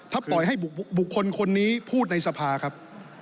ถ้าปล่อยให้บุคคลคนนี้พูดในสภาครับ